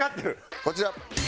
こちら。